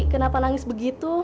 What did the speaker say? kenapa nangis begitu